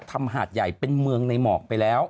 หาดใหญ่เป็นเมืองในหมอกไปแล้ว